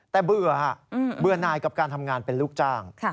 แต่เบื่อฮะเบื่อนายกับการทำงานเป็นลูกจ้าง